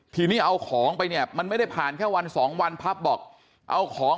ทีนี้เอาของไปเนี่ยมันไม่ได้ผ่านแค่วันสองวันพับบอกเอาของ